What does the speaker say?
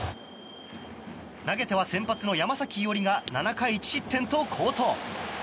投げては先発の山崎伊織が７回１失点と好投。